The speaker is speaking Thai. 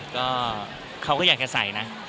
ก็เขาก็อยากจะใส่นะ